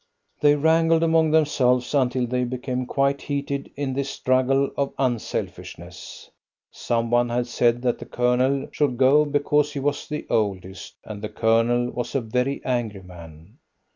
They wrangled among themselves until they became quite heated in this struggle of unselfishness. Some one had said that the Colonel should go because he was the oldest, and the Colonel was a very angry man.